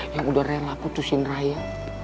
yang udah rela putusin raya